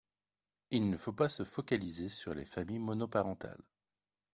Il ne faut pas se focaliser sur les familles monoparentales.